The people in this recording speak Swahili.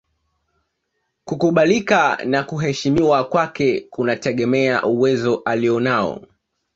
Kukubalika na kuheshimiwa kwake kunategemea uwezo alionao